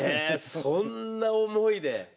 そんな思いで。